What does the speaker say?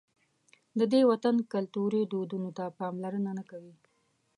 د دې وطن کلتوري دودونو ته پاملرنه نه کوي.